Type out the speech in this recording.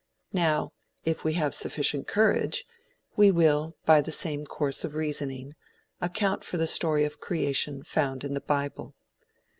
Now, if we have sufficient courage, we will, by the same course of reasoning, account for the story of creation found in the bible.